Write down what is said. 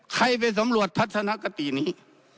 ไปสำรวจทัศนคตินี้